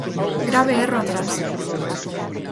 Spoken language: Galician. Grave erro atrás.